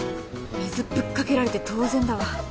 水ぶっかけられて当然だわ